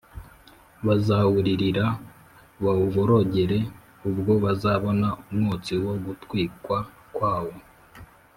bazawuririra bawuborogere ubwo bazabona umwotsi wo gutwikwa kwawo,